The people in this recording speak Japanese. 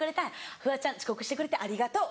フワちゃん遅刻してくれてありがとう。